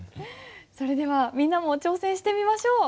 それではみんなも挑戦してみましょう。